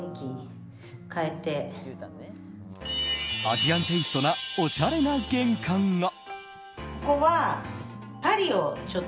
アジアンテイストなおしゃれな玄関が。